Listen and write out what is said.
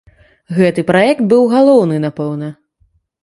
Гэты праект быў галоўны, напэўна.